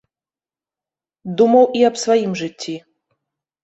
Думаў і аб сваім жыцці.